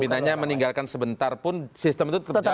pimpinannya meninggalkan sebentar pun sistem itu tetap jalan